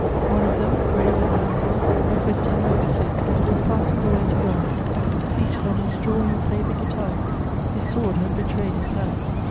One of them, brave and handsome, a Christian like the Cid, was passing away to God: seated on his straw, he played the guitar; his sword had betrayed his hand.